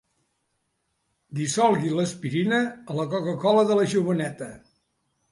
Dissolgui l'aspirina a la coca-cola de la joveneta.